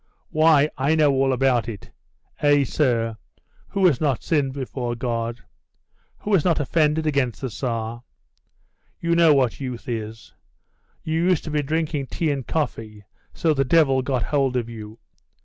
Why, I know all about it. Eh, sir, who has not sinned before God? who has not offended against the Tsar? We know what youth is. You used to be drinking tea and coffee, so the devil got hold of you.